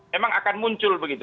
memang akan muncul begitu